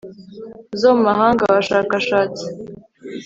zo mu mahanga abashakashatsi